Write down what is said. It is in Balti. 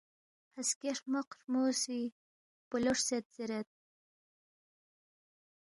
ہسکے ہرمق ہرمُو سی پولو ہرژید زیرید